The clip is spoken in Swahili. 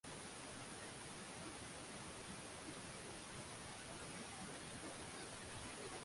Déby ni wa ukoo wa Bidyat wa kabila la Zaghawa